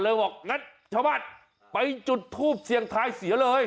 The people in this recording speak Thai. บอกงั้นชาวบ้านไปจุดทูปเสียงทายเสียเลย